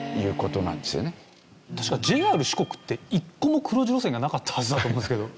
確かＪＲ四国って１個も黒字路線がなかったはずだと思うんですけど。